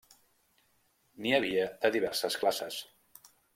N'hi havia de diverses classes.